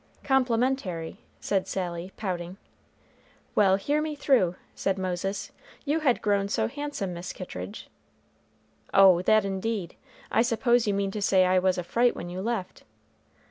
"Complimentary," said Sally, pouting. "Well, hear me through," said Moses; "you had grown so handsome, Miss Kittridge." "Oh! that indeed! I suppose you mean to say I was a fright when you left?"